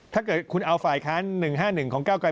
ถ้าเกิดคุณเอาฝ่ายค้าน๑๕๑ของก้าวไกร